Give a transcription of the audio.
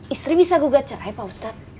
istri bisa gugat cerai pak ustadz